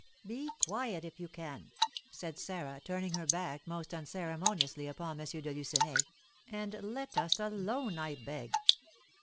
"Be quiet, if you can," said Sarah, turning her back most unceremoniously upon M. de Lucenay, "and let us alone, I beg."